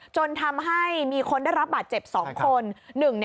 จนทำให้มีคนได้รับบาดเจ็บ๒คน